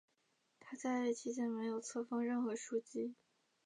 他在位期间没有册封任何枢机。